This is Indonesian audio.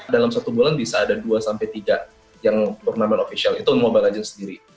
dalam satu bulan bisa ada dua sampai tiga yang turnamen official itu mobile legends sendiri